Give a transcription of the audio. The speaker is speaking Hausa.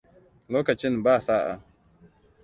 Lokacin ba sa'a.